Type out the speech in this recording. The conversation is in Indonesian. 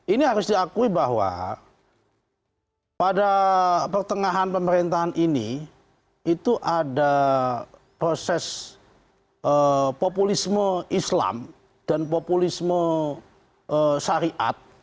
ini harus diakui bahwa pada pertengahan pemerintahan ini itu ada proses populisme islam dan populisme syariat